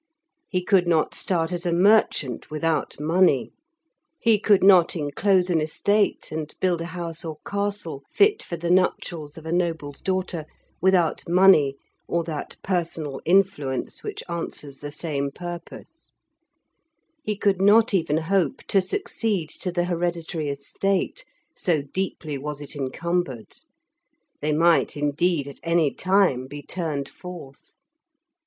He could not start as a merchant without money; he could not enclose an estate and build a house or castle fit for the nuptials of a noble's daughter without money, or that personal influence which answers the same purpose; he could not even hope to succeed to the hereditary estate, so deeply was it encumbered; they might, indeed, at any time be turned forth.